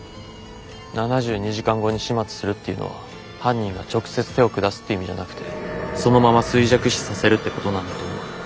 ７２時間後に始末するっていうのは犯人が直接手を下すって意味じゃなくてそのまま衰弱死させるってことなんだと思う。